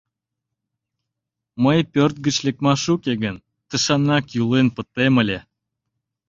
Мый пӧрт гыч лекмаш уке гын, тышанак йӱлен пытем ыле.